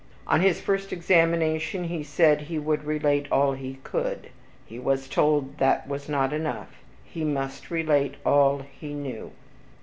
On his first examination, he said he would relate all he COULD. He was told that was not enough, he must relate all he knew.